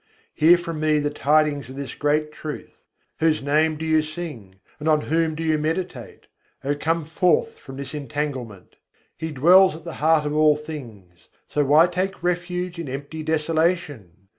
Hear from me the tidings of this great truth! Whose name do you sing, and on whom do you meditate? O, come forth from this entanglement! He dwells at the heart of all things, so why take refuge in empty desolation?